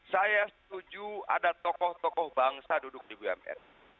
saya setuju ada tokoh tokoh bangsa duduk di bumn